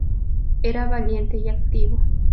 Era valiente y activo.